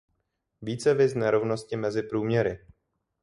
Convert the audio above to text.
Více viz nerovnosti mezi průměry.